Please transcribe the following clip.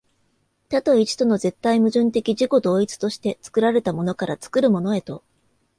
多と一との絶対矛盾的自己同一として、作られたものから作るものへと、